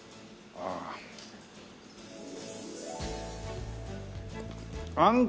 ああ。